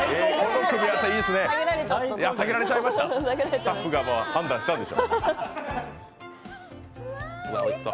スタッフが判断したんでしょう。